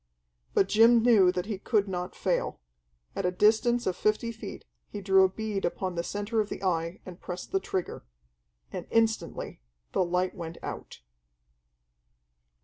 But Jim knew that he could not fail. At a distance of fifty feet he drew a bead upon the centre of the Eye and pressed the trigger. And instantly the light went out....